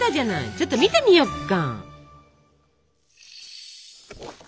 ちょっと見てみよっか。